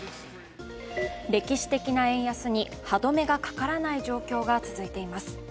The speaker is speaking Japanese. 歴史的な円安に歯止めがかからない状況が続いています。